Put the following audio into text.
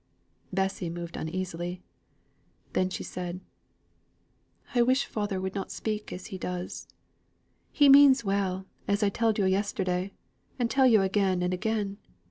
Bessy moved uneasily; then she said: "I wish father would not speak to me as he does. He means well, as I telled yo' yesterday, and tell yo' again and again.